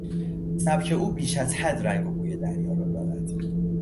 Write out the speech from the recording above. سبک او بیش از حد رنگ و بوی دریا را دارد.